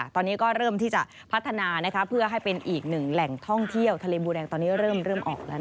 ตอนนี้ก็เริ่มที่จะพัฒนาเพื่อให้เป็นอีกหนึ่งแหล่งท่องเที่ยวทะเลบูแดงตอนนี้เริ่มออกแล้ว